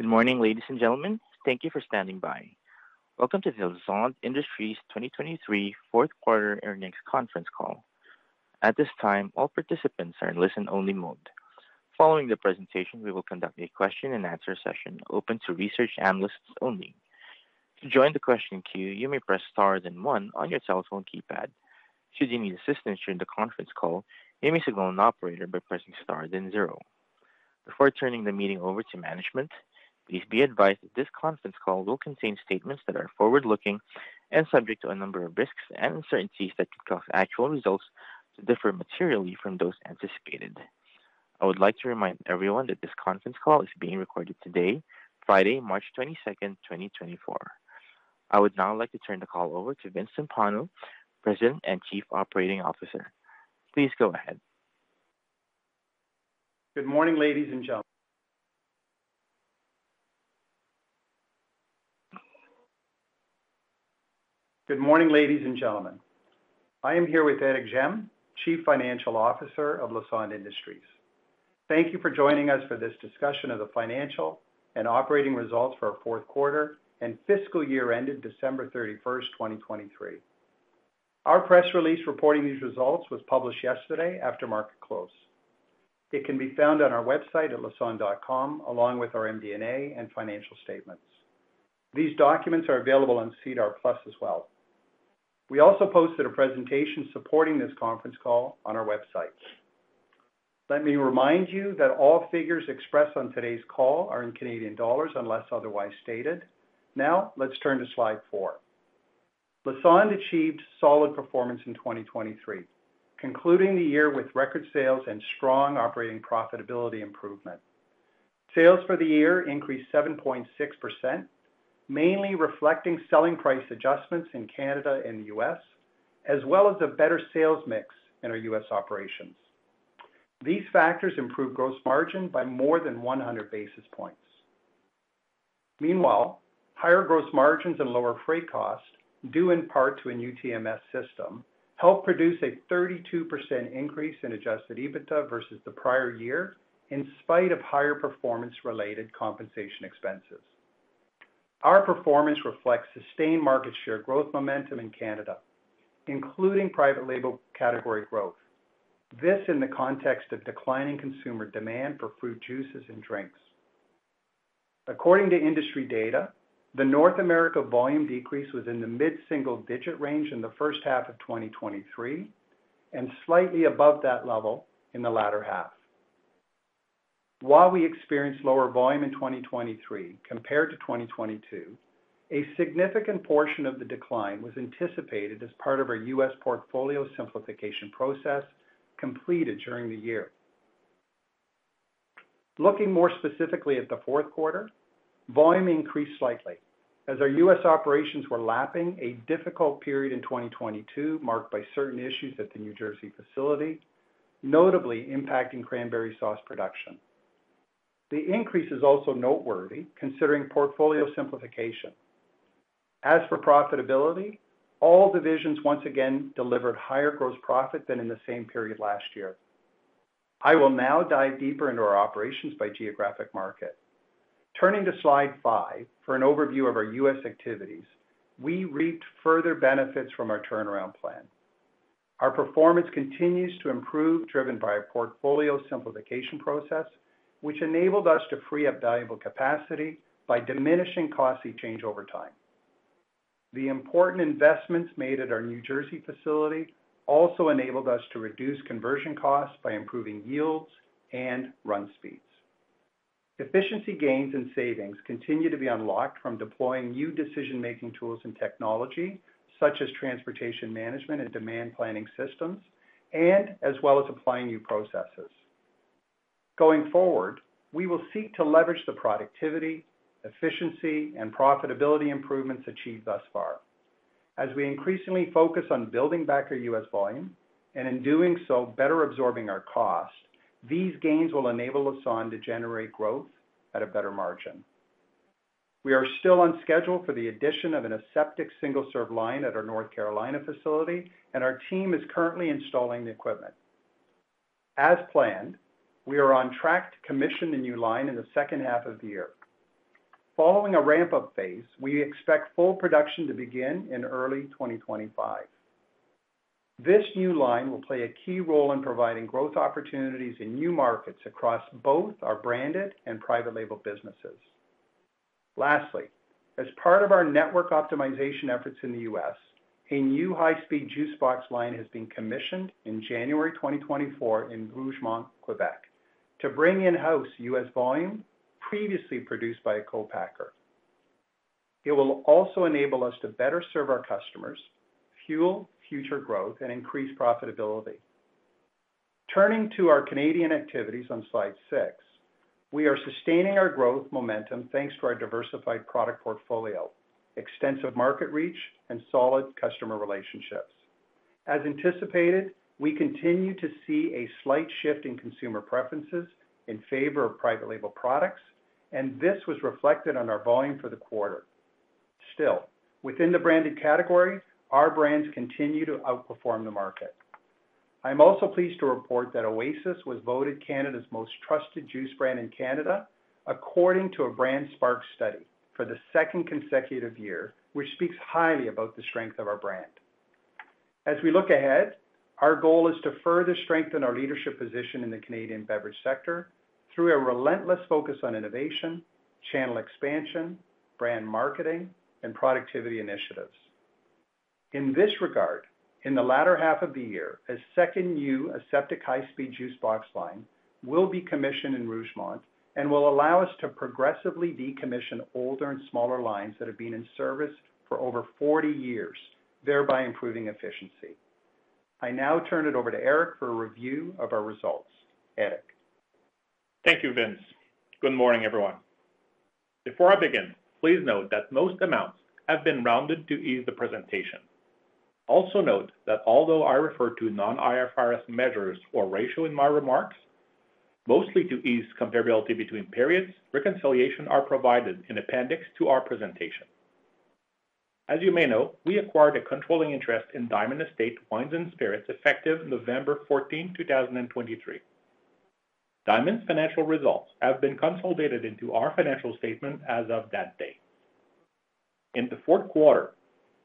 Good morning, ladies and gentlemen. Thank you for standing by. Welcome to the Lassonde Industries 2023 fourth quarter earnings conference call. At this time, all participants are in listen-only mode. Following the presentation, we will conduct a question-and-answer session open to research analysts only. To join the question queue, you may press Star, then one on your telephone keypad. Should you need assistance during the conference call, you may signal an operator by pressing Star, then zero. Before turning the meeting over to management, please be advised that this conference call will contain statements that are forward-looking and subject to a number of risks and uncertainties that could cause actual results to differ materially from those anticipated. I would like to remind everyone that this conference call is being recorded today, Friday, March twenty-second, 2024. I would now like to turn the call over to Vincent Timpano, President and Chief Operating Officer. Please go ahead. Good morning, ladies and gentlemen. Good morning, ladies and gentlemen. I am here with Éric Gemme, Chief Financial Officer of Lassonde Industries. Thank you for joining us for this discussion of the financial and operating results for our fourth quarter and fiscal year ended December 31, 2023. Our press release reporting these results was published yesterday after market close. It can be found on our website at lassonde.com, along with our MD&A and financial statements. These documents are available on SEDAR+ as well. We also posted a presentation supporting this conference call on our website. Let me remind you that all figures expressed on today's call are in Canadian dollars, unless otherwise stated. Now, let's turn to slide 4. Lassonde achieved solid performance in 2023, concluding the year with record sales and strong operating profitability improvement. Sales for the year increased 7.6%, mainly reflecting selling price adjustments in Canada and the U.S., as well as a better sales mix in our U.S. operations. These factors improved gross margin by more than 100 basis points. Meanwhile, higher gross margins and lower freight costs, due in part to a new TMS system, helped produce a 32% increase in Adjusted EBITDA versus the prior year, in spite of higher performance-related compensation expenses. Our performance reflects sustained market share growth momentum in Canada, including private label category growth. This in the context of declining consumer demand for fruit juices and drinks. According to industry data, the North America volume decrease was in the mid-single-digit range in the first half of 2023, and slightly above that level in the latter half. While we experienced lower volume in 2023 compared to 2022, a significant portion of the decline was anticipated as part of our U.S. portfolio simplification process completed during the year. Looking more specifically at the fourth quarter, volume increased slightly as our U.S. operations were lapping a difficult period in 2022, marked by certain issues at the New Jersey facility, notably impacting cranberry sauce production. The increase is also noteworthy considering portfolio simplification. As for profitability, all divisions once again delivered higher gross profit than in the same period last year. I will now dive deeper into our operations by geographic market. Turning to slide 5 for an overview of our U.S. activities, we reaped further benefits from our turnaround plan. Our performance continues to improve, driven by a portfolio simplification process, which enabled us to free up valuable capacity by diminishing costs changeover time. The important investments made at our New Jersey facility also enabled us to reduce conversion costs by improving yields and run speeds. Efficiency gains and savings continue to be unlocked from deploying new decision-making tools and technology, such as transportation management and demand planning systems, and as well as applying new processes. Going forward, we will seek to leverage the productivity, efficiency, and profitability improvements achieved thus far. As we increasingly focus on building back our U.S. volume, and in doing so, better absorbing our costs, these gains will enable Lassonde to generate growth at a better margin. We are still on schedule for the addition of an aseptic single-serve line at our North Carolina facility, and our team is currently installing the equipment. As planned, we are on track to commission the new line in the second half of the year. Following a ramp-up phase, we expect full production to begin in early 2025. This new line will play a key role in providing growth opportunities in new markets across both our branded and private label businesses. Lastly, as part of our network optimization efforts in the U.S., a new high-speed juice box line has been commissioned in January 2024 in Rougemont, Quebec, to bring in-house U.S. volume previously produced by a co-packer. It will also enable us to better serve our customers, fuel future growth, and increase profitability. Turning to our Canadian activities on slide 6, we are sustaining our growth momentum thanks to our diversified product portfolio, extensive market reach, and solid customer relationships. As anticipated, we continue to see a slight shift in consumer preferences in favor of private label products, and this was reflected on our volume for the quarter.... Still, within the branded category, our brands continue to outperform the market. I'm also pleased to report that Oasis was voted Canada's most trusted juice brand in Canada, according to a BrandSpark study for the second consecutive year, which speaks highly about the strength of our brand. As we look ahead, our goal is to further strengthen our leadership position in the Canadian beverage sector through a relentless focus on innovation, channel expansion, brand marketing, and productivity initiatives. In this regard, in the latter half of the year, a second new aseptic high-speed juice box line will be commissioned in Rougemont and will allow us to progressively decommission older and smaller lines that have been in service for over 40 years, thereby improving efficiency. I now turn it over to Éric for a review of our results. Éric? Thank you, Vince. Good morning, everyone. Before I begin, please note that most amounts have been rounded to ease the presentation. Also note that although I refer to non-IFRS measures or ratio in my remarks, mostly to ease comparability between periods, reconciliation are provided in appendix to our presentation. As you may know, we acquired a controlling interest in Diamond Estates Wines & Spirits, effective November 14, 2023. Diamond's financial results have been consolidated into our financial statement as of that date. In the fourth quarter,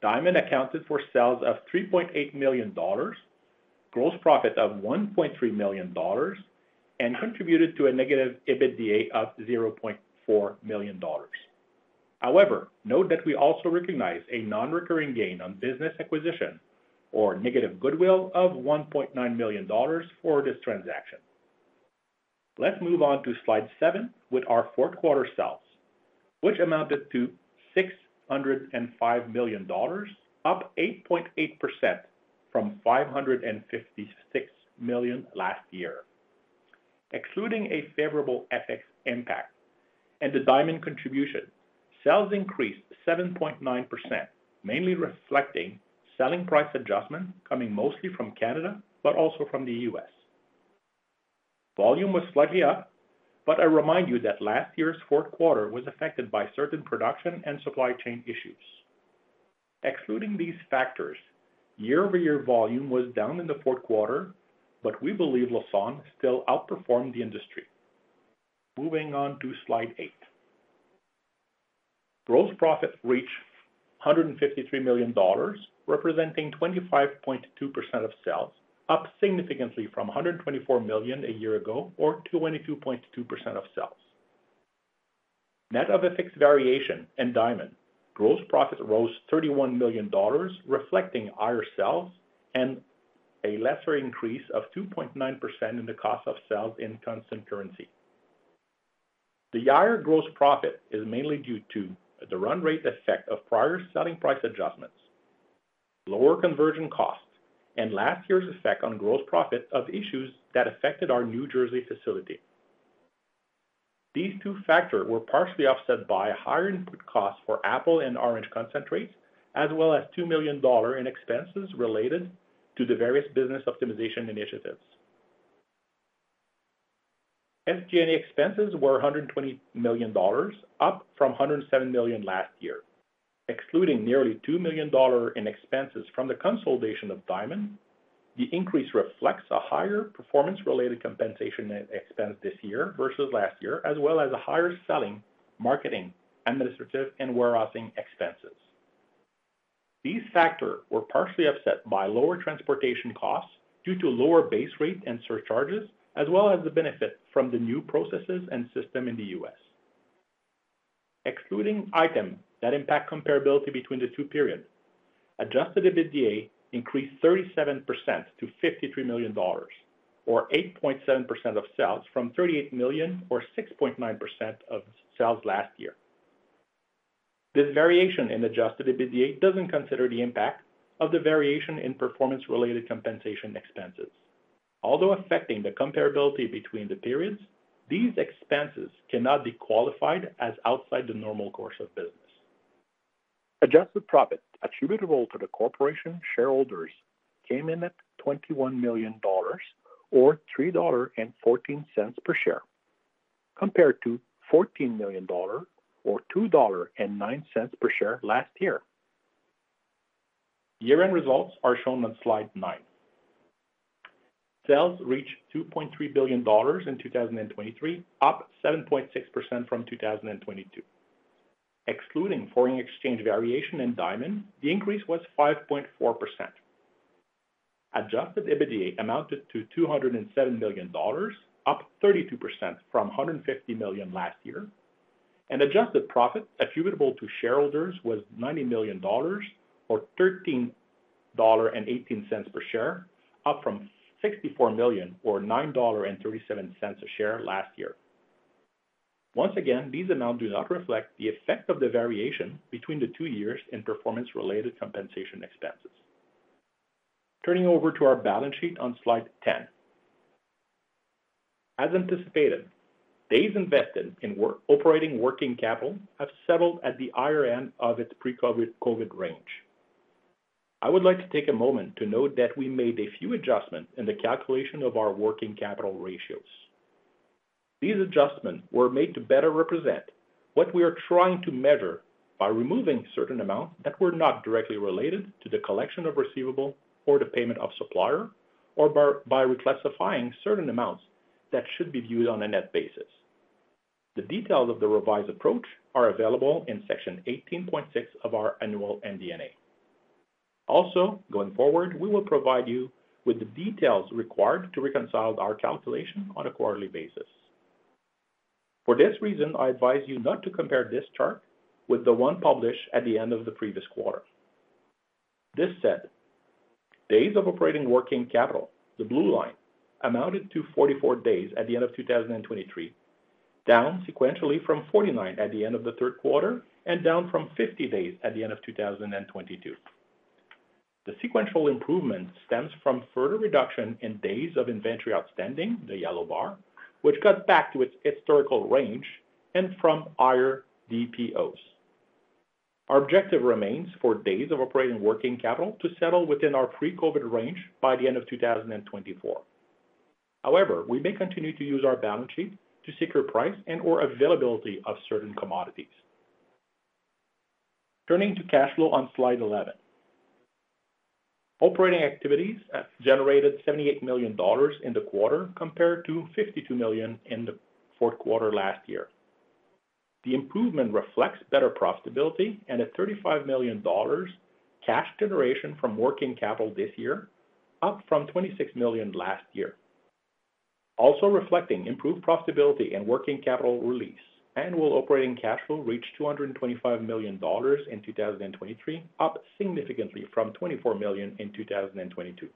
Diamond accounted for sales of 3.8 million dollars, gross profit of 1.3 million dollars, and contributed to a negative EBITDA of 0.4 million dollars. However, note that we also recognize a non-recurring gain on business acquisition or negative goodwill of 1.9 million dollars for this transaction. Let's move on to slide seven with our fourth quarter sales, which amounted to 605 million dollars, up 8.8% from 556 million last year. Excluding a favorable FX impact and the Diamond contribution, sales increased 7.9%, mainly reflecting selling price adjustment coming mostly from Canada, but also from the U.S. Volume was slightly up, but I remind you that last year's fourth quarter was affected by certain production and supply chain issues. Excluding these factors, year-over-year volume was down in the fourth quarter, but we believe Lassonde still outperformed the industry. Moving on to slide eight. Gross profit reached 153 million dollars, representing 25.2% of sales, up significantly from 124 million a year ago, or 22.2% of sales. Net of a FX variation in Diamond, gross profit rose 31 million dollars, reflecting higher sales and a lesser increase of 2.9% in the cost of sales in constant currency. The higher gross profit is mainly due to the run rate effect of prior selling price adjustments, lower conversion costs, and last year's effect on gross profit of issues that affected our New Jersey facility. These two factors were partially offset by higher input costs for apple and orange concentrates, as well as 2 million dollars in expenses related to the various business optimization initiatives. SG&A expenses were 120 million dollars, up from 107 million last year. Excluding nearly 2 million dollar in expenses from the consolidation of Diamond, the increase reflects a higher performance-related compensation expense this year versus last year, as well as a higher selling, marketing, administrative, and warehousing expenses. These factors were partially offset by lower transportation costs due to lower base rate and surcharges, as well as the benefit from the new processes and system in the U.S. Excluding items that impact comparability between the two periods, Adjusted EBITDA increased 37% to 53 million dollars, or 8.7% of sales, from 38 million or 6.9% of sales last year. This variation in Adjusted EBITDA doesn't consider the impact of the variation in performance-related compensation expenses. Although affecting the comparability between the periods, these expenses cannot be qualified as outside the normal course of business. Adjusted profit attributable to the corporation shareholders came in at 21 million dollars, or 3.14 dollar per share, compared to 14 million dollar or 2.09 dollar per share last year. Year-end results are shown on slide 9. Sales reached 2.3 billion dollars in 2023, up 7.6% from 2022. Excluding foreign exchange variation in Diamond, the increase was 5.4%. Adjusted EBITDA amounted to 207 million dollars, up 32% from 150 million last year. And adjusted profit attributable to shareholders was 90 million dollars, or 13.18 dollar per share, up from 64 million or 9.37 dollar a share last year. Once again, these amounts do not reflect the effect of the variation between the two years in performance-related compensation expenses. Turning over to our balance sheet on slide 10. As anticipated, days invested in working capital have settled at the higher end of its pre-COVID range. I would like to take a moment to note that we made a few adjustments in the calculation of our working capital ratios. These adjustments were made to better represent what we are trying to measure by removing certain amounts that were not directly related to the collection of receivables or the payment of suppliers, or by, by reclassifying certain amounts that should be viewed on a net basis. The details of the revised approach are available in section 18.6 of our annual MD&A. Also, going forward, we will provide you with the details required to reconcile our calculation on a quarterly basis. For this reason, I advise you not to compare this chart with the one published at the end of the previous quarter. This said, days of operating working capital, the blue line, amounted to 44 days at the end of 2023, down sequentially from 49 at the end of the third quarter, and down from 50 days at the end of 2022. The sequential improvement stems from further reduction in days of inventory outstanding, the yellow bar, which got back to its historical range and from higher DPOs. Our objective remains for days of operating working capital to settle within our pre-COVID range by the end of 2024. However, we may continue to use our balance sheet to secure price and/or availability of certain commodities. Turning to cash flow on slide 11. Operating activities have generated 78 million dollars in the quarter, compared to 52 million in the fourth quarter last year. The improvement reflects better profitability and a 35 million dollars cash generation from working capital this year, up from 26 million last year. Also reflecting improved profitability and working capital release, annual operating cash flow reached 225 million dollars in 2023, up significantly from 24 million in 2022.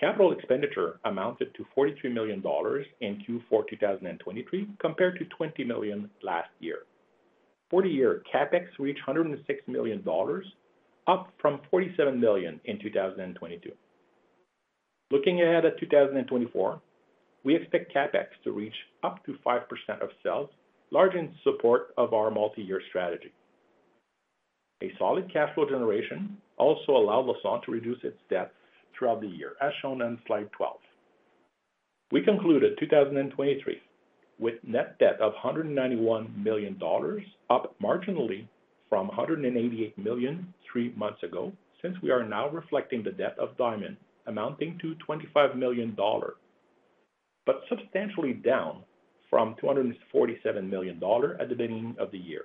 Capital expenditure amounted to 43 million dollars in Q4 2023, compared to 20 million last year. For the year, CapEx reached 106 million dollars, up from 47 million in 2022. Looking ahead at 2024, we expect CapEx to reach up to 5% of sales, largely in support of our multi-year strategy. A solid cash flow generation also allowed Lassonde to reduce its debts throughout the year, as shown on slide 12. We concluded 2023 with net debt of 191 million dollars, up marginally from 188 million three months ago, since we are now reflecting the debt of Diamond, amounting to 25 million dollar, but substantially down from 247 million dollar at the beginning of the year.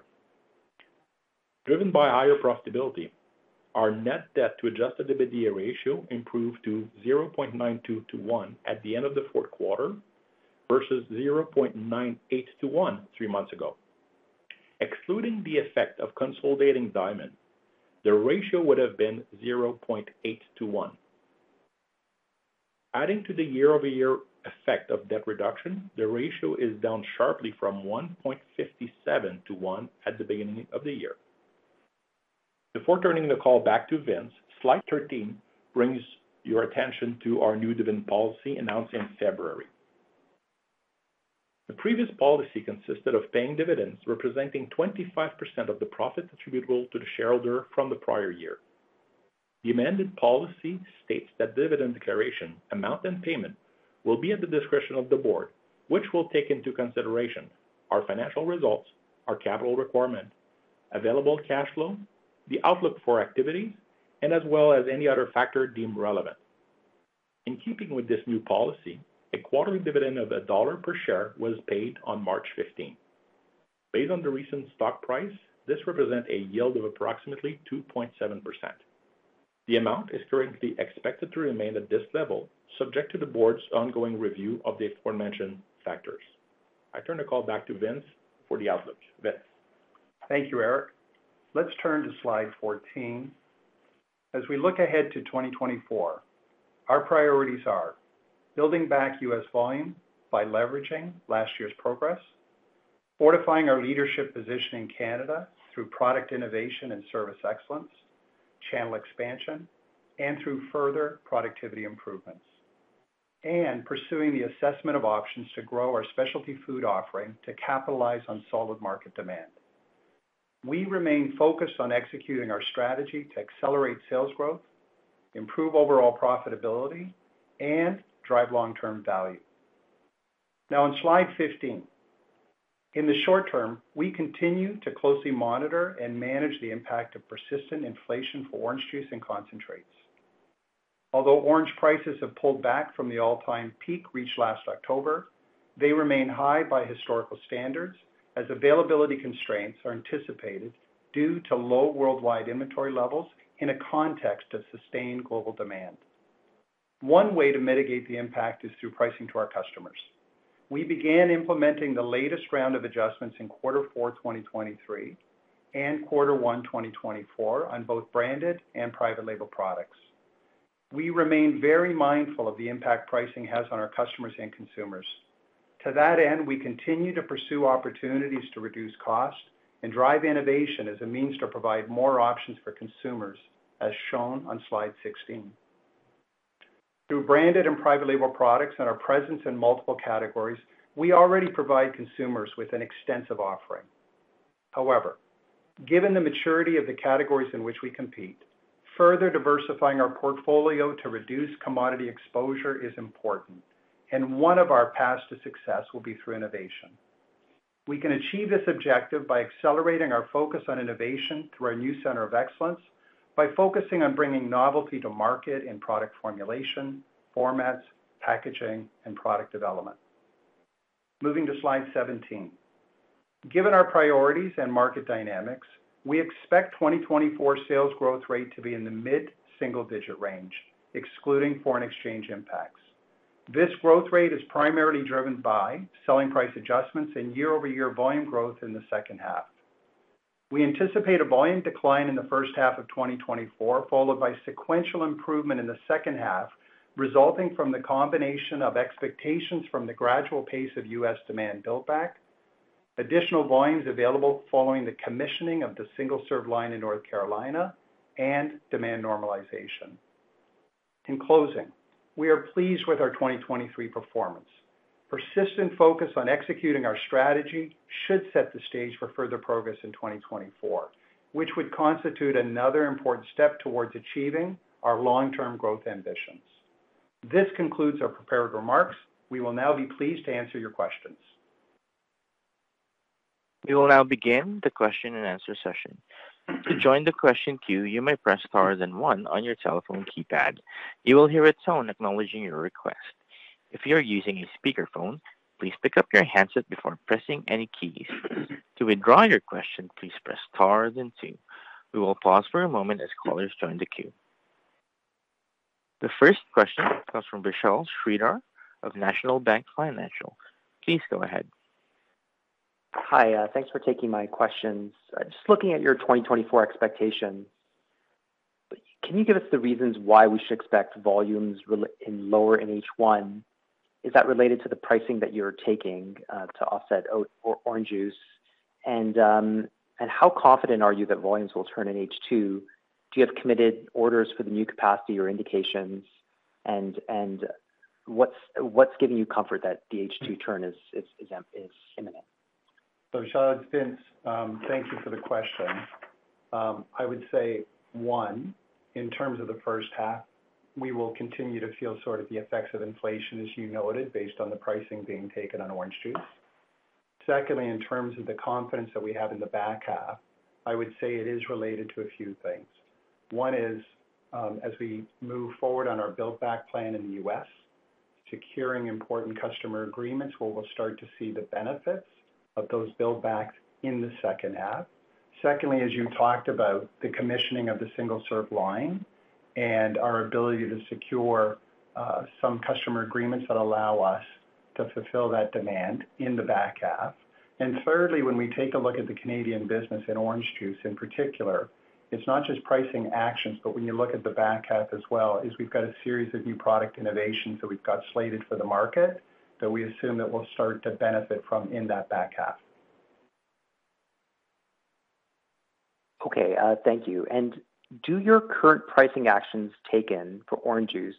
Driven by higher profitability, our net debt to adjusted EBITDA ratio improved to 0.92 to 1 at the end of the fourth quarter versus 0.98 to 1 three months ago. Excluding the effect of consolidating Diamond, the ratio would have been 0.8 to 1. Adding to the year-over-year effect of debt reduction, the ratio is down sharply from 1.57 to 1 at the beginning of the year. Before turning the call back to Vince, slide 13 brings your attention to our new dividend policy announced in February. The previous policy consisted of paying dividends, representing 25% of the profit attributable to the shareholder from the prior year. The amended policy states that dividend declaration, amount, and payment will be at the discretion of the board, which will take into consideration our financial results, our capital requirement, available cash flow, the outlook for activities, and as well as any other factor deemed relevant. In keeping with this new policy, a quarterly dividend of CAD 1 per share was paid on March fifteenth. Based on the recent stock price, this represents a yield of approximately 2.7%. The amount is currently expected to remain at this level, subject to the board's ongoing review of the aforementioned factors. I turn the call back to Vince for the outlook. Vince? Thank you, Éric. Let's turn to slide 14. As we look ahead to 2024, our priorities are: building back U.S. volume by leveraging last year's progress, fortifying our leadership position in Canada through product innovation and service excellence, channel expansion, and through further productivity improvements, and pursuing the assessment of options to grow our specialty food offering to capitalize on solid market demand. We remain focused on executing our strategy to accelerate sales growth, improve overall profitability, and drive long-term value. Now, on slide 15. In the short term, we continue to closely monitor and manage the impact of persistent inflation for orange juice and concentrates. Although orange prices have pulled back from the all-time peak reached last October, they remain high by historical standards, as availability constraints are anticipated due to low worldwide inventory levels in a context of sustained global demand. One way to mitigate the impact is through pricing to our customers. We began implementing the latest round of adjustments in quarter four, 2023 and quarter one, 2024 on both branded and private label products. We remain very mindful of the impact pricing has on our customers and consumers. To that end, we continue to pursue opportunities to reduce cost and drive innovation as a means to provide more options for consumers, as shown on slide 16.... Through branded and private label products and our presence in multiple categories, we already provide consumers with an extensive offering. However, given the maturity of the categories in which we compete, further diversifying our portfolio to reduce commodity exposure is important, and one of our paths to success will be through innovation. We can achieve this objective by accelerating our focus on innovation through our new center of excellence, by focusing on bringing novelty to market in product formulation, formats, packaging, and product development. Moving to slide 17. Given our priorities and market dynamics, we expect 2024 sales growth rate to be in the mid-single-digit range, excluding foreign exchange impacts. This growth rate is primarily driven by selling price adjustments and year-over-year volume growth in the second half. We anticipate a volume decline in the first half of 2024, followed by sequential improvement in the second half, resulting from the combination of expectations from the gradual pace of U.S. demand build back, additional volumes available following the commissioning of the single-serve line in North Carolina, and demand normalization. In closing, we are pleased with our 2023 performance. Persistent focus on executing our strategy should set the stage for further progress in 2024, which would constitute another important step towards achieving our long-term growth ambitions. This concludes our prepared remarks. We will now be pleased to answer your questions. We will now begin the question-and-answer session. To join the question queue, you may press star then one on your telephone keypad. You will hear a tone acknowledging your request. If you are using a speakerphone, please pick up your handset before pressing any keys. To withdraw your question, please press star then two. We will pause for a moment as callers join the queue. The first question comes from Vishal Shreedhar of National Bank Financial. Please go ahead. Hi, thanks for taking my questions. Just looking at your 2024 expectations, can you give us the reasons why we should expect volumes to be lower in H1? Is that related to the pricing that you're taking to offset orange juice? And, and how confident are you that volumes will turn in H2? Do you have committed orders for the new capacity or indications? And, what's giving you comfort that the H2 turn is imminent? So Vishal, it's Vince. Thank you for the question. I would say, one, in terms of the first half, we will continue to feel sort of the effects of inflation, as you noted, based on the pricing being taken on orange juice. Secondly, in terms of the confidence that we have in the back half, I would say it is related to a few things. One is, as we move forward on our build back plan in the U.S., securing important customer agreements, where we'll start to see the benefits of those build backs in the second half. Secondly, as you talked about, the commissioning of the single-serve line and our ability to secure, some customer agreements that allow us to fulfill that demand in the back half. And thirdly, when we take a look at the Canadian business in orange juice in particular, it's not just pricing actions, but when you look at the back half as well, we've got a series of new product innovations that we've got slated for the market that we assume that we'll start to benefit from in that back half. Okay, thank you. Do your current pricing actions taken for orange juice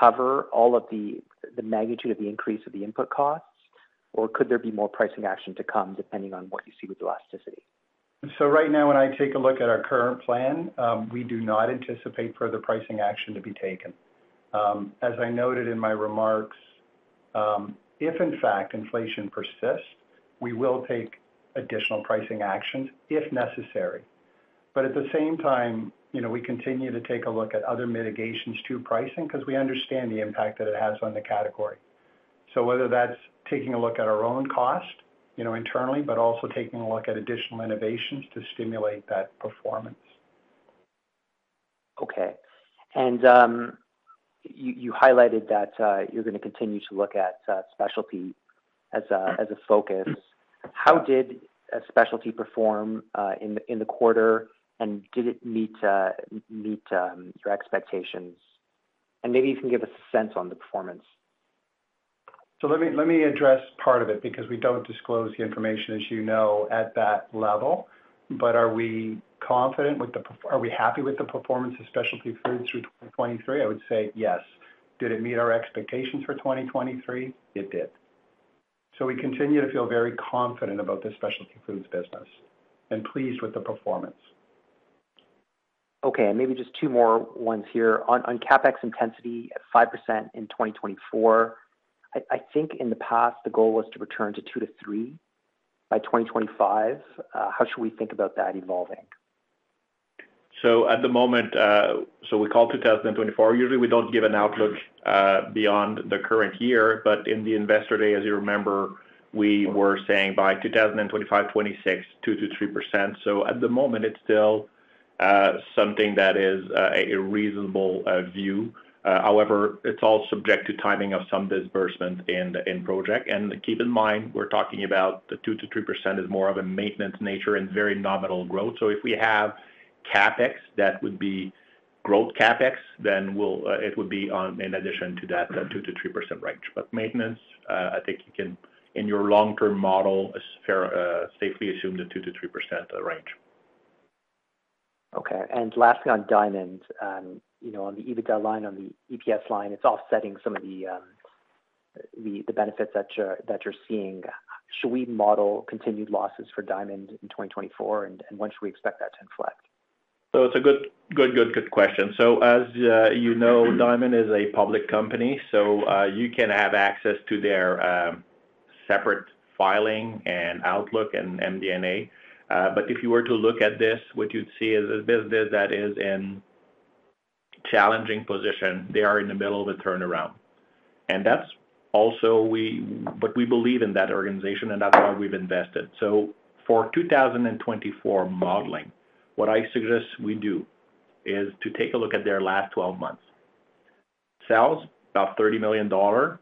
cover all of the magnitude of the increase of the input costs, or could there be more pricing action to come, depending on what you see with elasticity? So right now, when I take a look at our current plan, we do not anticipate further pricing action to be taken. As I noted in my remarks, if in fact, inflation persists, we will take additional pricing actions if necessary. But at the same time, you know, we continue to take a look at other mitigations to pricing because we understand the impact that it has on the category. So whether that's taking a look at our own cost, you know, internally, but also taking a look at additional innovations to stimulate that performance. Okay. And you highlighted that you're gonna continue to look at specialty as a focus. How did specialty perform in the quarter, and did it meet your expectations? And maybe you can give us a sense on the performance. Let me, let me address part of it, because we don't disclose the information, as you know, at that level. But are we happy with the performance of Specialty Foods through 2023? I would say yes. Did it meet our expectations for 2023? It did. We continue to feel very confident about the Specialty Foods business and pleased with the performance. Okay, and maybe just two more ones here. On CapEx intensity at 5% in 2024, I think in the past, the goal was to return to 2-3% by 2025. How should we think about that evolving? So at the moment, so we called 2024. Usually, we don't give an outlook beyond the current year, but in the Investor Day, as you remember, we were saying by 2025, 2026, 2%-3%. So at the moment, it's still something that is a reasonable view. However, it's all subject to timing of some disbursement in the project. And keep in mind, we're talking about the 2%-3% is more of a maintenance nature and very nominal growth. So if we have CapEx, that would be growth CapEx, then we'll, it would be on, in addition to that, that 2%-3% range. But maintenance, I think you can, in your long-term model, as fair, safely assume the 2%-3% range. ... Okay, and lastly, on Diamond, you know, on the EBITDA line, on the EPS line, it's offsetting some of the benefits that you're seeing. Should we model continued losses for Diamond in 2024, and when should we expect that to inflect? So it's a good question. So as you know, Diamond is a public company, so you can have access to their separate filing and outlook and MD&A. But if you were to look at this, what you'd see is a business that is in challenging position. They are in the middle of a turnaround, and that's also but we believe in that organization, and that's why we've invested. So for 2024 modeling, what I suggest we do is to take a look at their last 12 months. Sales, about 30 million dollar.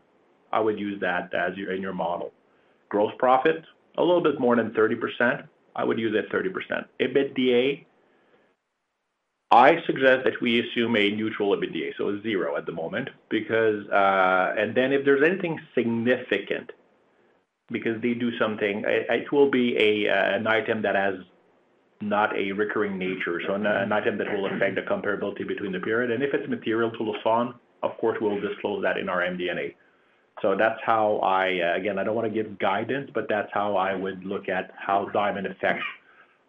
I would use that as your in your model. Gross profit, a little bit more than 30%. I would use that 30%. EBITDA, I suggest that we assume a neutral EBITDA, so 0 at the moment, because... Then if there's anything significant, because they do something, it will be an item that has not a recurring nature, so an item that will affect the comparability between the period. If it's material to Lassonde, of course, we'll disclose that in our MD&A. So that's how I, again, I don't wanna give guidance, but that's how I would look at how Diamond affects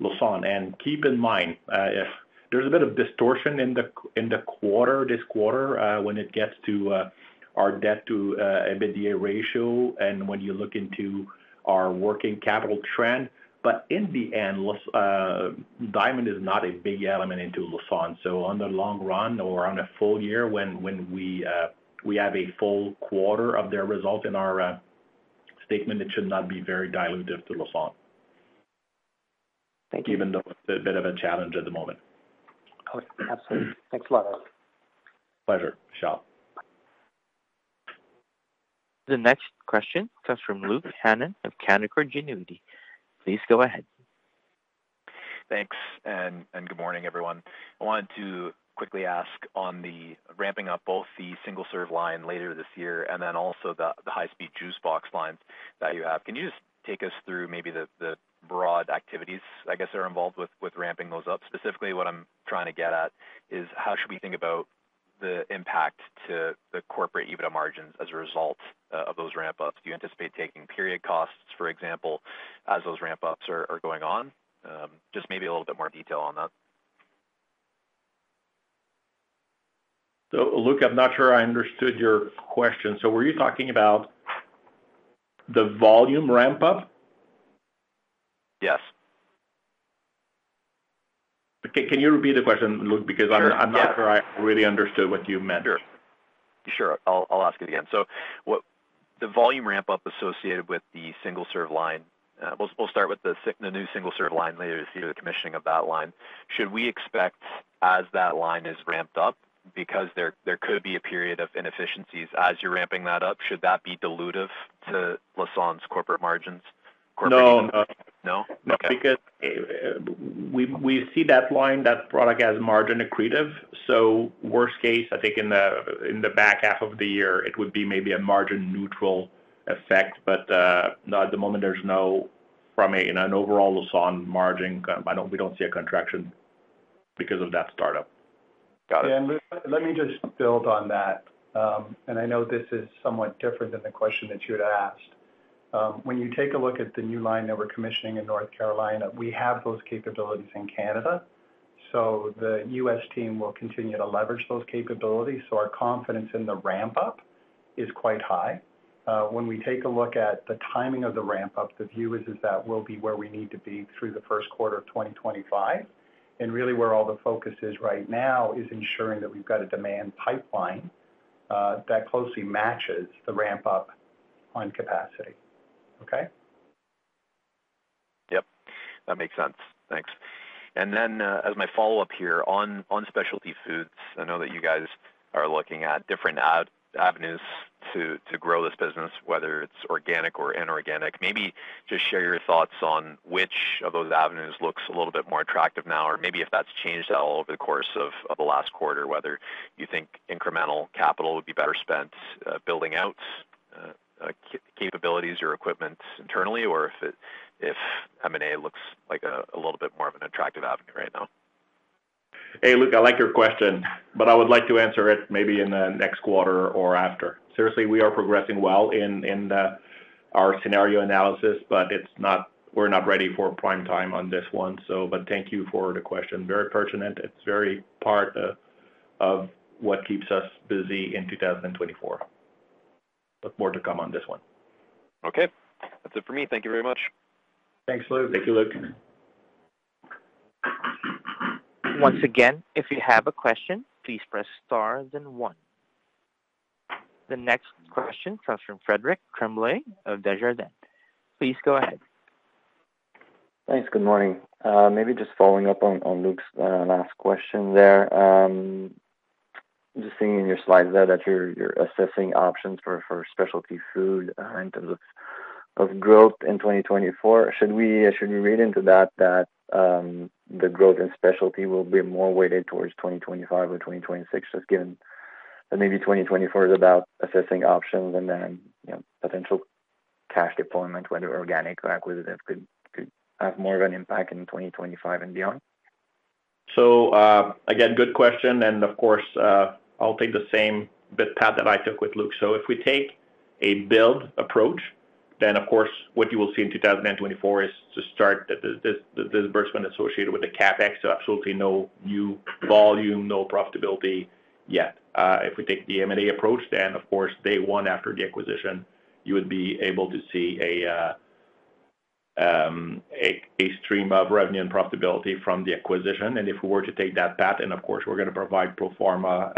Lassonde. Keep in mind, if there's a bit of distortion in the quarter, this quarter, when it gets to our debt to EBITDA ratio and when you look into our working capital trend, but in the end, Diamond is not a big element into Lassonde. So on the long run or on a full year, when we have a full quarter of their result in our statement, it should not be very dilutive to Lassonde. Thank you. Even though it's a bit of a challenge at the moment. Okay, absolutely. Thanks a lot. Pleasure, Vishal. The next question comes from Luke Hannan of Canaccord Genuity. Please go ahead. Thanks, good morning, everyone. I wanted to quickly ask on the ramping up both the single-serve line later this year and then also the high-speed juice box line that you have. Can you just take us through maybe the broad activities, I guess, that are involved with ramping those up? Specifically, what I'm trying to get at is: How should we think about the impact to the corporate EBITDA margins as a result of those ramp-ups? Do you anticipate taking period costs, for example, as those ramp-ups are going on? Just maybe a little bit more detail on that. So Luke, I'm not sure I understood your question. Were you talking about the volume ramp-up? Yes. Okay. Can you repeat the question, Luke? Sure, yes. Because I'm not sure I really understood what you meant. Sure. Sure, I'll ask it again. So, the volume ramp-up associated with the single-serve line. We'll start with the new single-serve line later this year, the commissioning of that line. Should we expect as that line is ramped up, because there could be a period of inefficiencies as you're ramping that up, should that be dilutive to Lassonde's corporate margins, corporate- No, no. No? Okay. Because we see that line, that product as margin accretive. So worst case, I think in the back half of the year, it would be maybe a margin neutral effect, but not at the moment there's no, from an overall Lassonde margin, I don't we don't see a contraction because of that startup. Got it. And Luke, let me just build on that. And I know this is somewhat different than the question that you had asked. When you take a look at the new line that we're commissioning in North Carolina, we have those capabilities in Canada, so the U.S. team will continue to leverage those capabilities, so our confidence in the ramp-up is quite high. When we take a look at the timing of the ramp-up, the view is that we'll be where we need to be through the first quarter of 2025. And really, where all the focus is right now is ensuring that we've got a demand pipeline that closely matches the ramp-up on capacity. Okay? Yep, that makes sense. Thanks. And then, as my follow-up here on specialty foods, I know that you guys are looking at different avenues to grow this business, whether it's organic or inorganic. Maybe just share your thoughts on which of those avenues looks a little bit more attractive now, or maybe if that's changed at all over the course of the last quarter, whether you think incremental capital would be better spent building out capabilities or equipment internally, or if M&A looks like a little bit more of an attractive avenue right now. Hey, Luke, I like your question, but I would like to answer it maybe in the next quarter or after. Seriously, we are progressing well in our scenario analysis, but it's not, we're not ready for prime time on this one, so... But thank you for the question. Very pertinent. It's very part of what keeps us busy in 2024. But more to come on this one. Okay. That's it for me. Thank you very much. Thanks, Luke. Thank you, Luke. Once again, if you have a question, please press star, then one. The next question comes from Frédéric Tremblay of Desjardins. Please go ahead. Thanks. Good morning. Maybe just following up on, on Luke's last question there. Just seeing in your slides there that you're, you're assessing options for, for specialty food, in terms of, of growth in 2024. Should we, should we read into that, that, the growth in specialty will be more weighted towards 2025 or 2026, just given that maybe 2024 is about assessing options and then, you know, potential cash deployment, whether organic or acquisitive, could, could have more of an impact in 2025 and beyond? So, again, good question, and of course, I'll take the same path that I took with Luke. So if we take a build approach, then of course, what you will see in 2024 is to start the disbursement associated with the CapEx. So absolutely no new volume, no profitability yet. If we take the M&A approach, then of course, day one after the acquisition, you would be able to see a stream of revenue and profitability from the acquisition. And if we were to take that path, and of course, we're gonna provide pro forma,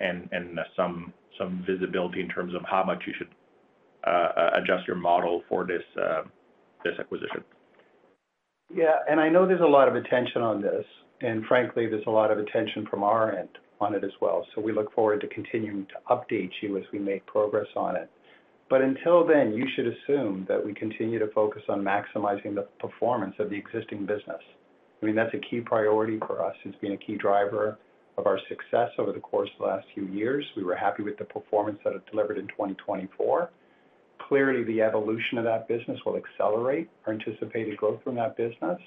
and some visibility in terms of how much you should adjust your model for this acquisition. Yeah, and I know there's a lot of attention on this, and frankly, there's a lot of attention from our end on it as well. So we look forward to continuing to update you as we make progress on it. But until then, you should assume that we continue to focus on maximizing the performance of the existing business. I mean, that's a key priority for us. It's been a key driver of our success over the course of the last few years. We were happy with the performance that it delivered in 2024. Clearly, the evolution of that business will accelerate our anticipated growth from that business.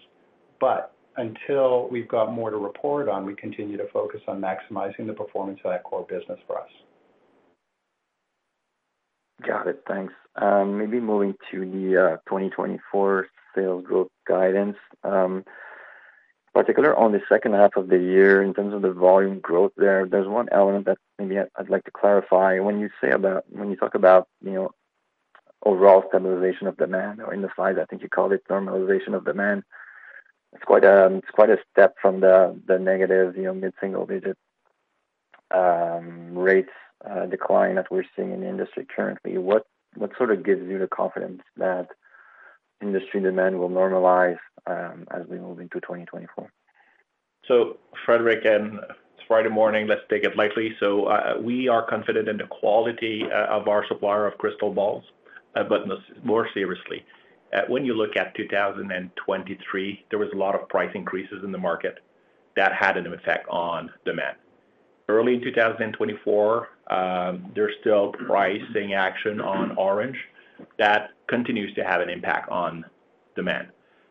But until we've got more to report on, we continue to focus on maximizing the performance of that core business for us. Got it. Thanks. Maybe moving to the 2024 sales growth guidance, particular on the second half of the year, in terms of the volume growth there, there's one element that maybe I'd like to clarify. When you talk about, you know, overall stabilization of demand, or in the slides, I think you called it normalization of demand, it's quite, it's quite a step from the negative, you know, mid-single-digit rates decline that we're seeing in the industry currently. What sort of gives you the confidence that industry demand will normalize, as we move into 2024? So, Frédéric, and Friday morning, let's take it lightly. So, we are confident in the quality of our supplier of crystal balls. But more seriously, when you look at 2023, there was a lot of price increases in the market. That had an effect on demand. Early in 2024, there's still pricing action on orange. That continues to have an impact on demand.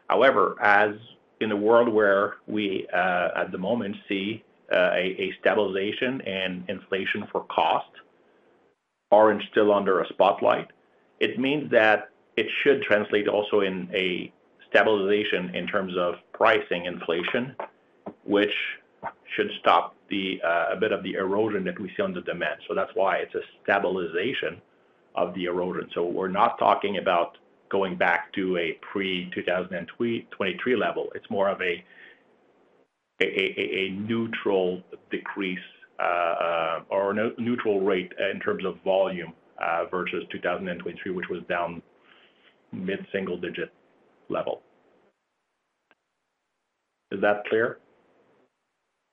However, as in a world where we, at the moment see, a stabilization and inflation for cost, orange still under a spotlight, it means that it should translate also in a stabilization in terms of pricing inflation, which should stop the a bit of the erosion that we see on the demand. So that's why it's a stabilization of the erosion. So we're not talking about going back to a pre-2023 level. It's more of a neutral decrease or neutral rate in terms of volume versus 2023, which was down mid-single-digit level. Is that clear?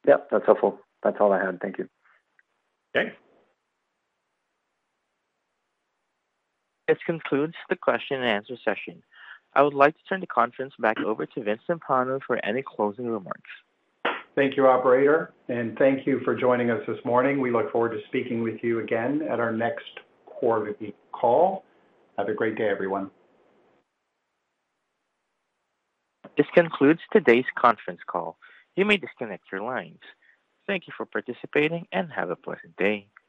Yep, that's helpful. That's all I had. Thank you. Okay. This concludes the question and answer session. I would like to turn the conference back over to Vincent Timpano for any closing remarks. Thank you, operator, and thank you for joining us this morning. We look forward to speaking with you again at our next quarter call. Have a great day, everyone. This concludes today's conference call. You may disconnect your lines. Thank you for participating and have a pleasant day.